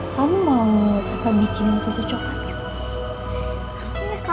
kamu mau kakak bikin susu coklat ya